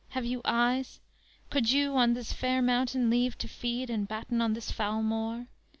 Have you eyes? Could you on this fair mountain leave to feed, And batten on this foul moor?